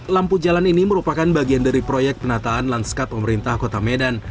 lampu jalan ini merupakan bagian dari proyek penataan lanskap pemerintah kota medan